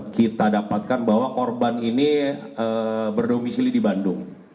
kita dapatkan bahwa korban ini berdomisili di bandung